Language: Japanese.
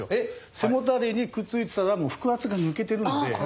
背もたれにくっついてたら腹圧が抜けてるので。